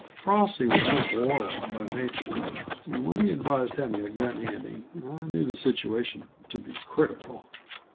Frosty was not warlike by nature, and when he advised having a gun handy I knew the situation to be critical.